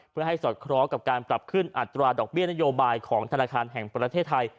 เพื่อให้สอดคล้องกับการปรับขึ้นอัตราดอกเบี้ยนโยบายของธนาคารแห่งประเทศไทย